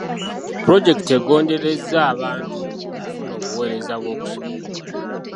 Puloojekiti egonderezza abantu mu kufuna obuweereza bw'okusoma.